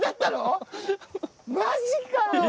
マジかよ